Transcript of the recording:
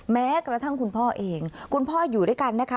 แม้กระทั่งคุณพ่อเองคุณพ่ออยู่ด้วยกันนะคะ